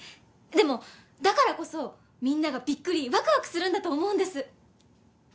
でもだからこそみんながびっくりワクワクするんだと思うんです。